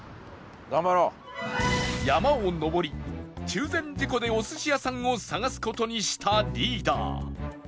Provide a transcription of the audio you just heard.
山を上り中禅寺湖でお寿司屋さんを探す事にしたリーダー